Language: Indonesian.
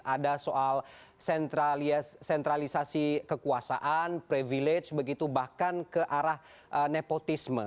ada soal sentralisasi kekuasaan privilege begitu bahkan ke arah nepotisme